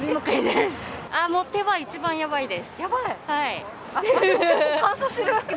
手は一番やばいです。